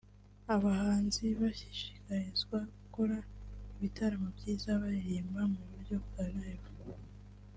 abahanzi bashishikarizwa gukora ibitaramo byiza baririmba mu buryo bwa Live